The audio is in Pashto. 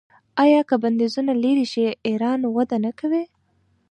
آیا که بندیزونه لرې شي ایران وده نه کوي؟